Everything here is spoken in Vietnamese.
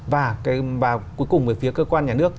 và cuối cùng về phía cơ quan nhà nước